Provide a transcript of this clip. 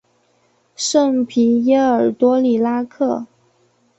圣皮耶尔多里拉克。